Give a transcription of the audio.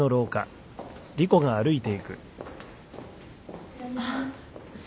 こちらになります。